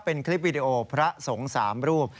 เป็นคลิปวีดีโอพระสงฆ์๓รูป